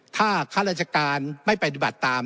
ถ้าข้าราชการไม่ปฏิบัติตาม